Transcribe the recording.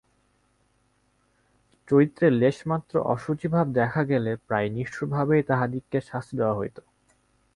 চরিত্রে লেশমাত্র অশুচি ভাব দেখা গেলে প্রায় নিষ্ঠুরভাবেই তাহাদিগকে শাস্তি দেওয়া হইত।